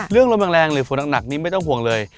เรื่องล้มแรงหรือฝนหนักนี่ไม่ต้องห่วงเลย